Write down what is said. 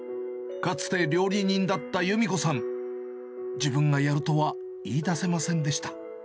かつて料理人だったゆみ子さん、自分がやるとは言いだせませんでした。